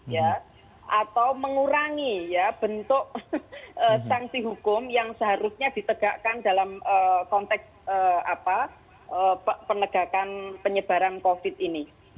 ya atau mengurangi ya bentuk sanksi hukum yang seharusnya ditegakkan dalam konteks penegakan penyebaran covid ini